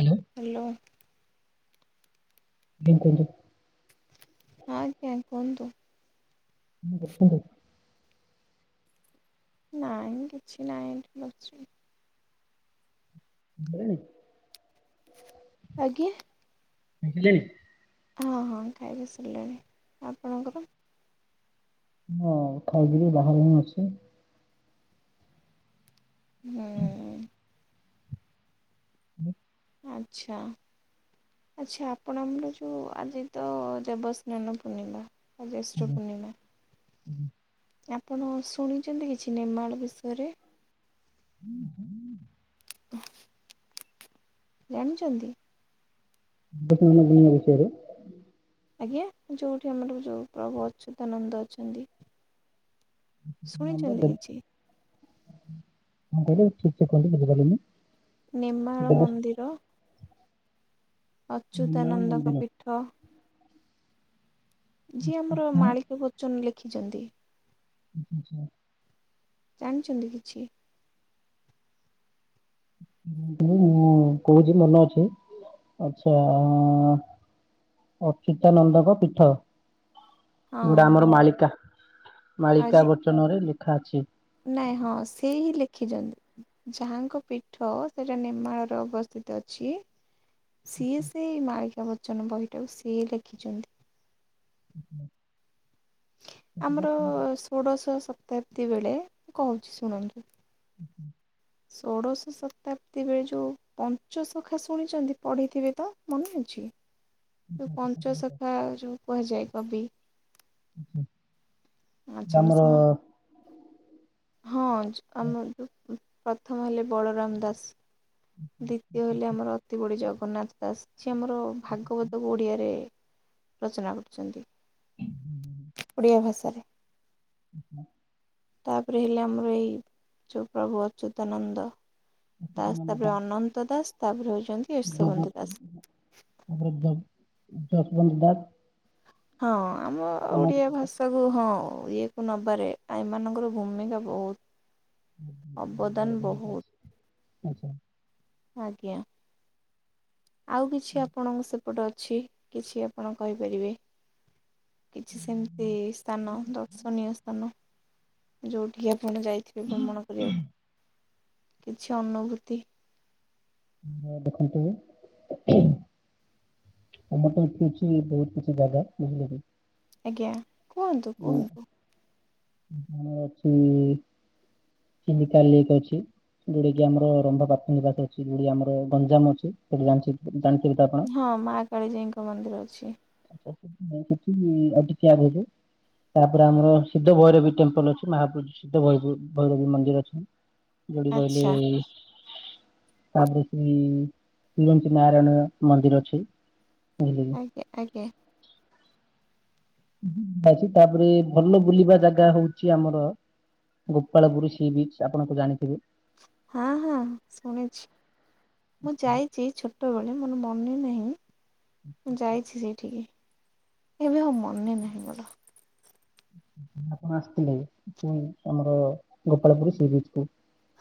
Hello. Hello. [unintelligible] ହଁ ଆଜ୍ଞା କୁହନ୍ତୁ। କଣ କରୁଛନ୍ତି? ନାଇଁ କିଛି ନାହିଁ ଏଇଠି ବସିଛି। [unintelligible] ଆଜ୍ଞା। [unintelligible] ହଁ ହଁ ଖାଇବା ସରିଲାଣି ଆପଣଙ୍କର? ହଁ ଖାଇକିରି ବାହାରେ ମୁଁ ବସିଛି। ହୁଁ। ହଁ। ଆଚ୍ଛା। ଆଚ୍ଛା ଆପଣ ଆମର ଯୋଉ ଆଜି ତ ଦେବସ୍ନାନ ପୂର୍ଣ୍ଣିମା ବା ଜ୍ୟେଷ୍ଠ ଆଜ୍ଞା। ପୂର୍ଣ୍ଣିମା ଆପଣ ଶୁଣିଛନ୍ତି କିଛି ନେମାଳ ବିଷୟରେ? ହୁଁ ହୁଁ ଜାଣିଚନ୍ତି? ଦେଖେ ରେମାଳ ବିଷୟରେ ଆଜ୍ଞା ଯଉଠି ଆମର ଯୋଉ ପ୍ରଭୁ ଅଚ୍ୟୁତାନନ୍ଦ ଅଛନ୍ତି। ନମ୍ବର ଶୁଣିଛନ୍ତି ଦେବ କିଛି? କଣ କହିଲେ ଠିକ ସେ କହିଲେ ବୁଝିପାରିଲିନି। ନେମାଳ ଦେବ ମନ୍ଦିର। ନିର୍ମାଳ ଅଚ୍ୟୁତାନନ୍ଦଙ୍କ ମନ୍ଦିର। ପୀଠ। ଯିଏ ଆମର ମାଳିକା ବଚନ ଲେଖିଛନ୍ତି। ଆଛା ଆଛା। ଜାଣିଛନ୍ତି କିଛି? ମୁଁ ହଁ କହୁଛି ମନେ ଅଛି ଆଛା ଆ ଅଚ୍ୟୁତାନନ୍ଦଙ୍କ ପୀଠ। ଯୋଉଟା ହଁ ଆମର ନାଇଁ ମାଳିକା ଆଜି ମାଳିକା ବଚନ ରେ ଲେଖା ଅଛି। ନାଇଁ ହଁ ସେ ହିଁ ଲେଖିଛନ୍ତି। ଯାହାଙ୍କ ପୀଠ ସେଟା ନେମାଳରେ ଅବସ୍ଥିତ ଅଛି। ସିଏ ସେଇ ମାଳିକା ବଚନ ବହିଟାକୁ ସିଏ ଲେଖିଛନ୍ତି। ହୁଁ ହୁଁ ଆମର ଷୋଡଶ ଶତାବ୍ଦୀ ବେଳେ ମୁଁ କହୁଛି ଶୁଣନ୍ତୁ। ହୁଁ ହୁଁ ଷୋଡ଼ଶ ଶତାବ୍ଦୀ ବେଳେ ଯଉ ପଞ୍ଚ ଶଖା ଶୁଣିଛନ୍ତି ପଢ଼ିଥିବେ ତ ମନେ ଅଛି? ଯଉ ଅଚ୍ୟୁତାନନ୍ଦ ଦାସ, ପଞ୍ଚସଖା ଯୋଉ କୁହାଯାଏ କବି। ଆଛା ଆଛା ଆ ସେମାନେ ହଁ ଯ ଆମର ଯୋଉ ପ୍ରଥମ ହେଲେ ବଳରାମ ଦାସ ଦ୍ୱିତୀୟ ହେଲେ ଆମର ଅତି ବଡ଼ି ଜଗନ୍ନାଥ ଦାସ ଯିଏ ଆମର ଭାଗବତକୁ ଓଡ଼ିଆରେ ରଚନା କରିଛନ୍ତି। ଓଡିଆ ଭାଷାରେ। ହୁଁ ହୁଁ ତାପରେ ହେଲେ ଆମର ଏଇ ଯୋଉ ପ୍ରଭୁ ଅଚ୍ୟୁତାନନ୍ଦ। ଦାସ ତାପରେ ଅନନ୍ତ ଦାସ ତାପରେ ହଉଛନ୍ତି ୟଶୋବନ୍ତ ଦଶ ଦାସ। ବନ୍ଦ ବା ତାପରେ ଯ ଯଶୋବନ୍ତ ଦାସ ହଁ ଆମ ବଡ ଓଡିଆ ଭାଷ ତାକୁ ହଁ ଇଏକୁ ନବାରେ ଏମାନଙ୍କର ଭୂମିକା ବହୁତ। ଅବଦାନ ଭୂମିକା ବହୁତ। ଅଛି ଆଚ୍ଛା। ଆଜ୍ଞା ଆଉ କିଛି ଆପଣଙ୍କ ସ ସେପଟେ ଅଛି କିଛି ଆପଣ କହିପାରିବେ? କିଛି ସେମିତି ସ୍ଥାନ ଦର୍ଶନୀୟ ସ୍ଥାନ ଯୋଉଠିକି ଆପଣ ଯାଇଥି ବେ ଭ୍ରମଣ କରିବାକୁ କିଛି ଅନୁଭୂତି ହଁ ଦେଖନ୍ତୁ ଆମର ତ ଏଠି ଅଛି ବହୁତୁ କିଛି ଜାଗା ବୁଝିଲେ କି? ଆଜ୍ଞା। କୁହନ୍ତୁ ଉଁ, କୁହନ୍ତୁ। ଅଛି। ଚିଲିକା ଲେକେ ଅଛି। ଯୋଉଟା କି ଆମର ରମ୍ବା ପ୍ରାଥମିକ ଘାତ ଅଛି। ଯୋଉଟା କି ଆମର ଗଞ୍ଜାମ ଅଛି। ସେଠି ଜାଣିଚିକି ଜାଣିଚ କି ଆପଣ? ହଁ ମା କାଳିଜାଇଙ୍କ ମନ୍ଦିର ଅଛି। କିଛି ଆଜି ଚା ରେଟେ? ତାପରେ ଆମର ସିଦ୍ଧ ଭୈରବୀ ଟେମ୍ପଲ ଅଛି ମହାପ୍ରତିସିତ ଭୈବୁ ଭୈରବୀ ମନ୍ଦିର ଅଛି। ଯଦି କହିଲେ ଆଚ୍ଛା ତା ପ୍ରତି। ସେ ଶ୍ରୀରଞଞ୍ଚ ନାରାୟଣ ମନ୍ଦିର ଅଛି। [unintelligible] ଏ ଆଜ୍ଞା। ଅଛି ତାପରେ ଭଲ ବୁଲିବା ଜାଗା ହଉଛି ଆମର। ଗୋପାଳପୁରୁ ସି ବିଚି ଆପଣ ତ ଜାଣିଥିବେ। ହଁ ହଁ ଶୁଣିଛି। ମୁଁ ଯାଇଚି ଛୋଟବେଳେ ମୋର ମନେ ନାହିଁ। ମୁଁ ଯାଇଛି ସେଇଠିକି। ଏବେ ଆଉ ମନେ ନାହିଁ ମୋର। ଆପଣ ଆସିଥିଲେ କି? କୋଉ ଆମର। ଗୋପାଳପୁ ସି ବିଚି କୁ?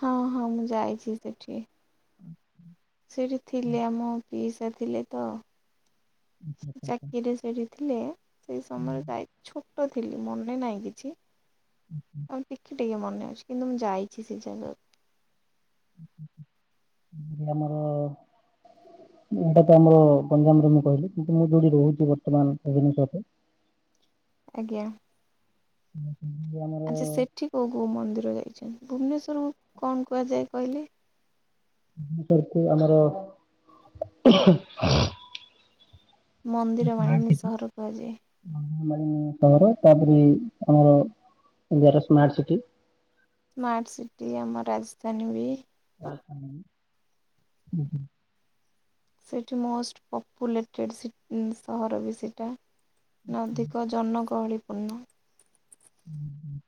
ହଁ ହଁ ମୁଁ ଯାଇଛି ସେଠି। ହଚ୍ଛା। ସେଇଠି ଥିଲେ ଆମ ପିସା ଥିଲେ ତ। ଚାକିରି ସେଇଠି ଥିଲେ। ସେଇ ସମୟରେ ଯାଇ ଛୋଟ ଥିଲି ମନେ ନାହିଁ କିଛି। ହୁ୍ ହ। ହଁ ଟିକେ ଟିକେ ମନେ ଅଛି କିନ୍ତୁ ମୁଁ ଯାଇଛି ସେ ଜାଗାକୁ। ଆମର। ଏଇଟା ତ ଆମର ଗଞ୍ଜାମରେ ମୁଁ କହିଲି କିନ୍ତୁ ମୁଁ ଯୋଉଠି ରହୁଛି ବର୍ତ୍ତମାନ ଇଭିନିଙ୍ଗି ସହର ରେ। ଆଜ୍ଞା। ହୁଁ ଯିଏ ଆମର ଆଚ୍ଛା ସେଠି କୋଉ କୋଉ ମନ୍ଦିର ଯାଇଛନ୍ତି। ଭୁବନେଶ୍ୱରକୁ କଣ କୁହାଯାଏ କହିଲେ? ସେଠି ଆମର। [unintelligible] ମନ୍ଦିର ମାଳିିନି ସହର କୁହାଯାଏ। ମନ୍ଦିର ମାଳିନୀ ସହର ତାପରେ ଆମର ଇଣ୍ଡିଆର ସ୍ମାର୍ଟ ସିଟି। ସ୍ମାର୍ଟ ସିଟି ଆମ ରାଜଧାନୀ ବି। ଉହୁଁ। ସେଠି ମୋଷ୍ଟ ପପୁଲେଟେଡେ ସିଟି ସହର ବି ସେଇଟା। ନଦୀକ ଜନଗହଳିପୂର୍ଣ୍ଣ। ହୁଁ ହୁଁ।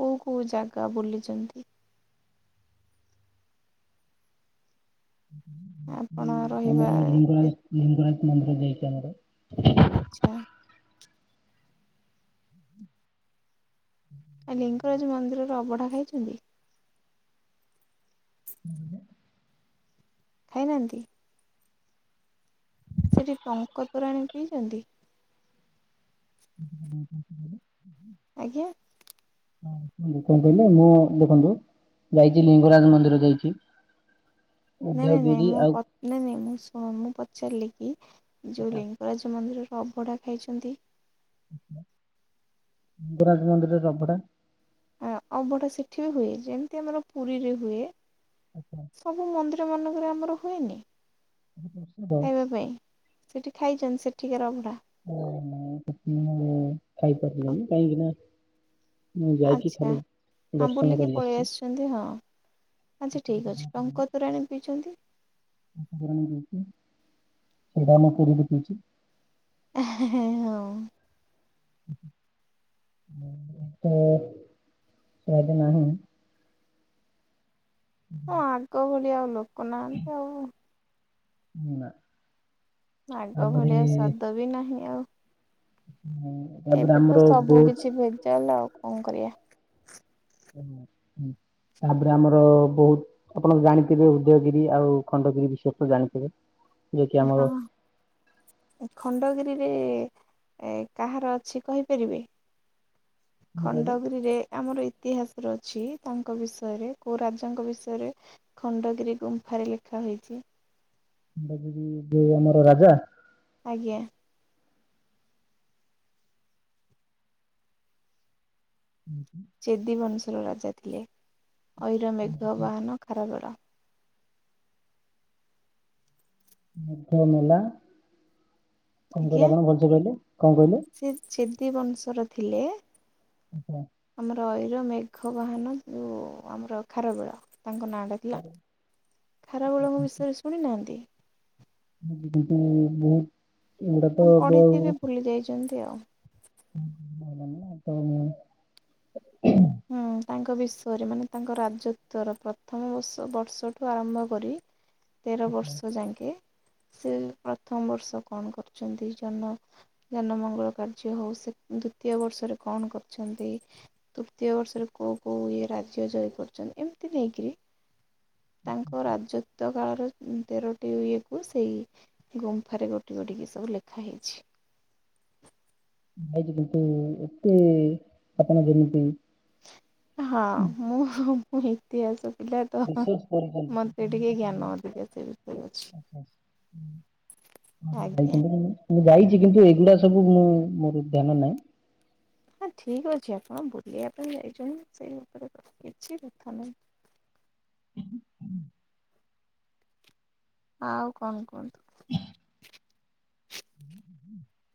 କୋଉ କୋଉ ଜାଗା ବୁଲିଚନ୍ତି? ଆପଣ ହୁଁ ରହିବା ଆମର ଲିଙ୍ଗରାଜ ଲିଙ୍ଗରାଜ ମନ୍ଦିର ଯାଇଛି ଆମର। ଆଚ୍ଛା। ହୁଁ। ଆ ଲିଙ୍ଗରାଜ ମନ୍ଦିରର ଅବଢା ଖାଇଛନ୍ତି? ଉହୁଁ। ଖାଇନାହାନ୍ତି? ସେଠି ଟଙ୍କ ତୋରାଣୀ ପିଇଛନ୍ତି? [unintelligible] ଆଜ୍ଞା। [unintelligible] କଣ କହିଲେ? ମୁଁ ଦେଖନ୍ତୁ ଯାଇଛି ଲିଙ୍ଗରାଜ ମନ୍ଦିର ଯାଇଛି। [inaudible] ନାଇଁ ନାଇଁ ନାଇଁ ମୁଁ ଆଉ ପ ନାଇଁ ନାଇଁ ମୁଁ ମୁଁ ପଚାରିଲି କି ଯେଉଁ ଲିଙ୍ଗରାଜ ମନ୍ଦିରର ଅଭଢ଼ା ଖାଇଛନ୍ତି? [unintelligible] ଲିଙ୍ଗରାଜ ମନ୍ଦିରରେ ଅଭଢା? ଆଉ ଅବଢ଼ା ସେଠି ବି ହୁଏ। ଯେମିତି ଆମର ପୁରୀରେ ହୁଏ। [unintelligible] ସବୁ ମନ୍ଦିର ମାନଙ୍କରେ ଆମର ହୁଏନି ପ୍ରସିଦ୍ଧ ଖାଇବା ପାଇଁ? ସେଠି ଖାଇଛନ୍ତି ସେଠିକାର ଅଭଡ଼ା? [unintelligible] ଖାଇପାରିଲନି କାହିଁକି ନା ମୁଁ ଯାଇକି ଆଚ୍ଛା। ଖାଲି ହଁ ଦର୍ଶନ ବୁଲିକି କରି ପଳେଇ ଆସିଛି। ଆସିଛନ୍ତି ହଁ ଆଚ୍ଛା ଠିକ୍ ଅଛି। ଟଙ୍କ ତୋରାଣି ପିଇଛନ୍ତି? [unintelligible] କରିକି ପିଇଛି। [unintelligible] ହଁ। [unintelligible] ନାହିଁ। ହଁ ଆଗ ଭଳିଆ ଆଉ ଲୋକ ନାହାନ୍ତି ଆଉ। [unintelligible] ଆଗ ତାପରେ ଭଳିଆ ସ୍ୱାଦ ବି ନାହିଁ ଆଉ। [unintelligible] ଏବେ ତ ଆମର ସବୁ ବହୁତ କିଛି ଭେଜାଲ ଆଉ କଣ କରିବା? [inaudible] ତାପରେ ଆମର ବହୁତ ଆପଣ ଜାଣିଥିବେ ଉଦୟଗିରି ଆଉ ଖଣ୍ଡଗିରି ବିଷୟରେ ତ ଜାଣିଥିବେ? ଯିଏକି ଆମର ହଁ। ଖଣ୍ଡଗିରିରେ କାହାର ଅଛି କହିପାରିବେ? [inaudible] ଖଣ୍ଡଗିରିରେ। ଆମର ଇତିହାସରେ ଅଛି ତାଙ୍କ ବିଷୟରେ କଉଁ ରାଜାଙ୍କ ବିଷୟରେ? ଖଣ୍ଡଗିରି ଗୁମ୍ଫାରେ ଲେଖା ହୋଇଛି। [unintelligible] ଆମର ରାଜା। ଆଜ୍ଞା। [unintelligible] ଚେଦିବଂଶର ରାଜା ଥିଲେ। ଅଇର ମେଘ ବାହାନ ଖାରବେଳ। ମେଲା କଣ କହିଲେ ଆପଣ ଭଲସ କହିଲେ କଣ କହିଲେ? ଚିଦିବଂଶର ଥିଲେ। ଆଛା ଆମର ଅଇର ମେଘ ବାହାନ ଯୋଉ ଆମର ଖାରବେଳ ତାଙ୍କ ନାଁଟା। ହେଲା ଖାରବେଳଙ୍କ ବିଷୟରେ ଶୁଣି ନାହାନ୍ତି? କିନ୍ତୁ ବହୁତ ଏଗୁଟା ହଁ ତ ଏବେ ପଢିଥିବେ ଆଉ। ଭୁଲି ଯାଇଛନ୍ତି ଆଉ। [unintelligible] ହଁ ତାଙ୍କ ବିଷୟରେ ମାନେ ତାଙ୍କ ରାଜତ୍ଵର ପ୍ରଥମ ବର୍ଷ ବର୍ଷଠୁ ଆରମ୍ଭ କରି [inaudible] ତେର ବର୍ଷ ଯାଙ୍କେ ସେ ପ୍ରଥମ ବର୍ଷ କଣ କରୁଚନ୍ତି ଜନ ଜନ ମଙ୍ଗଳ କାର୍ଯ୍ୟ ହୋଉ ସେ ଦ୍ଵିତୀୟ ବର୍ଷରେ କଣ କରଛନ୍ତି। ଦ୍ୱିତୀୟ ବର୍ଷରେ କୋଉ କୋଉ ଇଏ ରାଜ୍ୟ ଜୟ କରୁଚନ୍ତି ଏମିତି ନେଇକିରି ତାଙ୍କ ରାଜତ୍ୱ କାଳର ଉଁ ତେରଟି ଇଏକୁ ସେଇ ଗୁମ୍ଫାରେ ଗୋଟି ଗୋଟିକି ସବୁ ଲେଖା ହେଇଛି। ଖାଇଚି [unintelligible] କିନ୍ତୁ ଏତେ ଆପଣ ଯେମିତି ହଁ ମୁଁ ମୁଁ ଇତିହାସ ପିଲାତଃ ରିସର୍ଚ୍ଚ କରିଛନ୍ତି ମତେ ଟିକେ ଜ୍ଞାନ ଅଧିକ ସେ ବିଷୟରେ ଅଛି। ଆଚ୍ଛା [inaudible] ଆଜ୍ଞା। ମୁଁ ଯାଇଚି କିନ୍ତୁ ଏଗୁଡା ସବୁ ମୁଁ ମୋର ଧ୍ୟାନ ନାହିଁ। ହଁ ଠିକ୍ ଅଛି ଆପଣ ବୁଲିବା ପାଇଁ ଯାଇଚନି ସେଇ ଉପରେ କ କିଛି କଥା ନାହିଁ। ଆଉ କଣ କୁହନ୍ତୁ। [inaudible]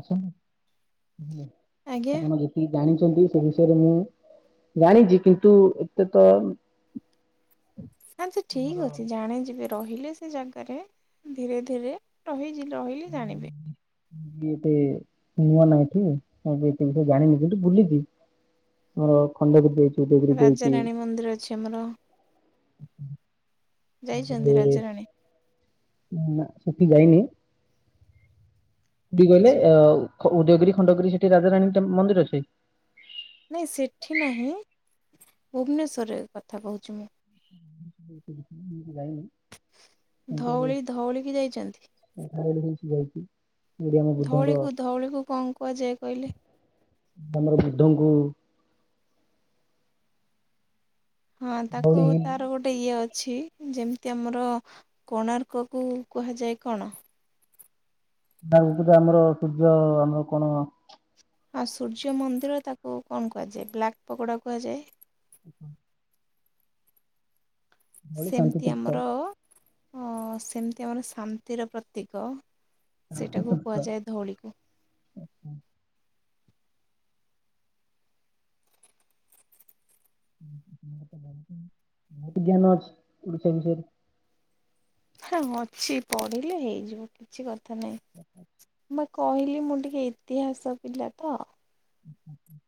ଆସନ୍ତୁ ହାଲୋ ଆଜ୍ଞା ଆପଣ ଯୋଉ [inaudible] ଉଁ ଜାଣିଚନ୍ତି ସେ ବିଷୟରେ ମୁଁ ଜାଣିଚି କିନ୍ତୁ ଏତେ ତ ଆଚ୍ଛା ଆମର ଠିକ୍ ଅଛି ଜାଣି ଯିବେ। ରହିଲେ ସେ ଜାଣିପାରିବେ ଉଁ ଧୀରେ ଧୀରେ ରହିଚି ରହିଲେ ଜାଣିବେ। କିଏ ସେ [unintelligible] ନୂଆ ନାଇଁ କି [unintelligible] କିନ୍ତୁ ଜାଣିନି କିନ୍ତୁ ବୁଲିଚି। ହଁ ଖଣ୍ଡଗିରି ଯାଇଚି ଉଦୟଗିରି ଯାଇଚି। ରାଜାରାଣୀ ମନ୍ଦିର ଅଛି ଆମର ଯାଇଚନ୍ତି ରାଜରାଣୀ? ନା ନା ସେଠି ଯାଇନି କୋଉଠି କି କହିଲେ [inaudible] ଯି [unintelligible] ଖ ଉଦୟଗିରି ଖଣ୍ଡଗିରି ସେଠି ରାଜାରାଣୀ ଟା ମନ୍ଦିର ଅଛି। ନାଇଁ ସେଠି ନାହିଁ ଭୁବନେଶ୍ୱରରେ କଥା କୋହୁଛି ମୁଁ। [inaudible] ଯାଇନି। ଧଉଳି ଧଉଳିିକି ଯାଇଚନ୍ତି? [unintelligible] କି ଯାଇଚି। ଧଉଳିକୁ ଧଉଳିକୁ କଣ କୁହାଯାଏ କହିଲେ? ତମର ବୃଦ୍ଧଙ୍କୁ ହଁ ତାକୁ ଧଉଳି ହିଲ୍ ତାର ଗୋଟେ ଇଏ ଅଛି। ଯେମିତି ଆମର କୋଣାର୍କ କୁ କୁହାଯାଏ କଣ? ଆଗକୁ ତ ଆମର ସୂର୍ଯ୍ୟ ଆମର କଣ ହଁ ସୂର୍ଯ୍ୟ ମନ୍ଦିର ତାକୁ କଣ କୁହାଯାଏ ବ୍ଲାକ୍ ପକୋଡା କୁହାଯାଏ। [inaudible] ଧଉଳି ଶାନ୍ତି ସେମିତି ତୀର୍ଥ ଆମର ଅଁ ସେମିତି ଆମର ଶାନ୍ତିର ପ୍ରତୀକ। ସେଟାକୁ କୁହାଯାଏ ଧଉଳି। ବୋହୁତ ଜ୍ଞାନ ଅଛି ଓଡିଶା ବିଷୟରେ। ହେଁ ଅଛି ପଢିଲେ ହେଇଯିବ କିଛି କଥା ନାହିଁ। ମୁଁ ପା କହିଲି ମୁଁ ଟିକେ ଇତିହାସ ପିଲା ତ। ଆଚ୍ଛା ଆଚ୍ଛା।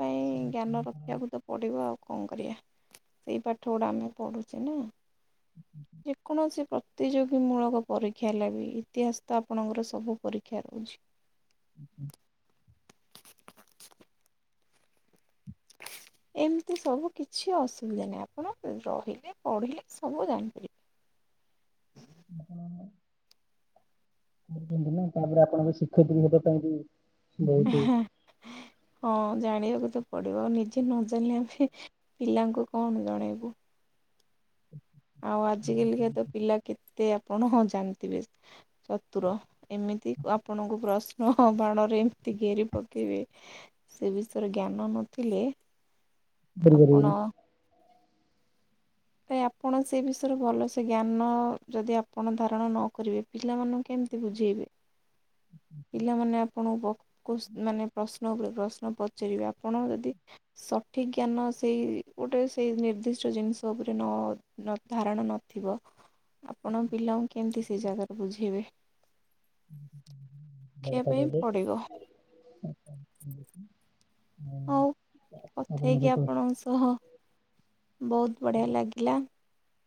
ପାଇଁ ଜ୍ଞାନ ରଖିବାକୁ ତ ପଡିବା ଆଉ କଣ କରିବା ସେଇ ପାଠ ଗୁଡା ଆମେ ପଢୁଚେ ନା। ହୁଁଁ ହୁଁ ହୁଁ। ଯେକୌଣସି ପ୍ରତିଯୋଗୀ ମୂଳକ ପରୀକ୍ଷା ହେଲା ବି ଇତିହାସ ତ ଆପଣଙ୍କର ସବୁ ପରୀକ୍ଷା ରହୁଛି। ଉଁ ହୁଁ। [inaudible] ଏମିତି ସବୁ କିଛି ଅସୁବିଧା ନାହିଁ ଆପଣ ରହିଲେ ପଢିଲେ ସବୁ ଜାଣିପାରିବେ। [inaudible] କରୁଛନ୍ତି ନା ତାପରେ ଆପଣଙ୍କ ଶିକ୍ଷୟିତ୍ରୀ ହେବା ପାଇଁ ବି ବହୁତ ହଁ ଜାଣିବାକୁ ତ ପଡିବ ଆଉ ନିଜେ ନ ଜାଣିଲେ ଆମେ ପିଲାଙ୍କୁ କଣ ଜଣେଇବୁ? ଆଉ ଆଜି କାଲିକା ତ ପିଲା କେତେ ଆପଣ ହଁ ଜାଣିଥିବେ ଚତୁର। ଏମିତି ଆପଣଙ୍କୁ ପ୍ରଶ୍ନ ବାଣରେ ଏମିତି ଘେରି ପକେଇବେ ସେ ବିଷୟରେ ଜ୍ଞାନ ନଥିଲେ ଆପଣ କରିପାରିବେନି [unintelligible] ନାଇଁ ଆପଣ ସେ ବିଷୟରେ ଭଲସେ ଜ୍ଞାନ ଯଦି ଆପଣ ଧାରଣ ନ କରିବେ ପିଲାମାନଙ୍କୁ କେମିତି ବୁଝେଇବି। [inaudible] ପିଲାମାନେ ଆପଣଙ୍କୁ ବ ପଶ ମାନେ ପ୍ରଶ୍ନ ଉପରେ ପ୍ରଶ୍ନ ପଚାରିବେ ଆପଣ ଯଦି ସଠିକ୍ ଜ୍ଞାନ ସେଇ ଗୋଟେ ସେଇ ନିର୍ଦ୍ଦିଷ୍ଟ ଜିନିଷ ସ ଉପରେ ନ ଧାରଣା ନଥିବ ଆପଣ ପିଲାଙ୍କୁ କେମିତି ସେଇ ଜାଗାରେ ବୁଝେଇବେ? ଶିଖିବା ପାଇଁ ପଡ଼ିବ [unintelligible] ହଉ କଥା ହେଇକି ଆପଣଙ୍କ ସହ ବହୁତ୍ ବଢିଆ ଲାଗିଲା।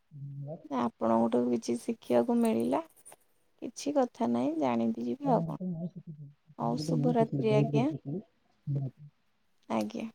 [unintelligible] ନା ଆପଣଙ୍କ ଠୁ କିଛି ଶିଖିବାକୁ ମିଳିଲା କିଛି କଥା ନାହିଁ, ଜାଣି ଶୁଭରାତ୍ରି ଆଜ୍ଞା [unintelligible] ଆଜ୍ଞା।